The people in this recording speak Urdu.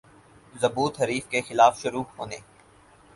ضبوط حریف کے خلاف شروع ہونے